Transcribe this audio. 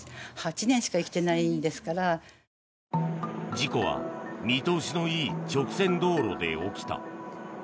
事故は見通しのいい直線道路で起きた。